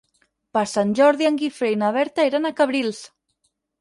Per Sant Jordi en Guifré i na Berta iran a Cabrils.